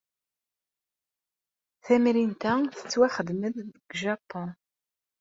Tamrint-a tettwaxdem-d deg Japun.